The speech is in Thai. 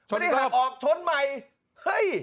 ไม่ได้หักออกชนใหม่เฮ้ย